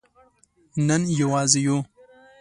نن یوازې یو